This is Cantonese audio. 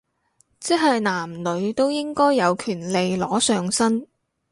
即係男女都應該有權利裸上身